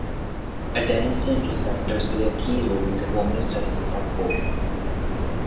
Adenosine receptors play a key role in the homeostasis of bone.